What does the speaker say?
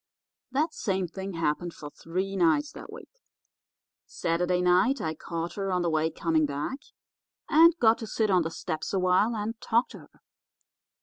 That same thing happened for three nights that week. Saturday night I caught her on the way coming back, and got to sit on the steps a while and talk to her.